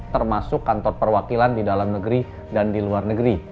termasuk kantor perwakilan di dalam negeri dan di luar negeri